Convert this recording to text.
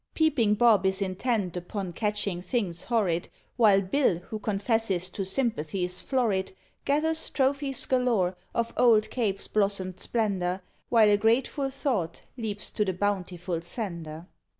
Peeping Bob is intent upon catching things horrid; While Bill, who confesses to sympathies florid, Gathers trophies galore of old Cape's blossomed splendour, While a grateful thought leaps to the bountiful Sender.